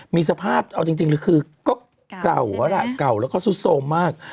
มีสภาพเอาจริงคือกล่าวแล้วกล่าวแล้วก็ซุดโซมมาก